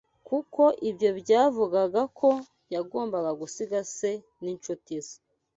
Kuko ibyo byavugaga ko yagombaga gusiga se n’incuti ze